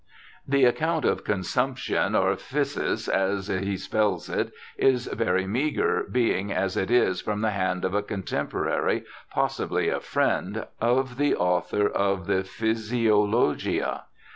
The account of consumption or ' phtisis ', as he spells it, is very meagre, being as it is from the hand of a contemporary, possibly a friend, of THOMAS DOVER 31 the author of the Phthisiologia.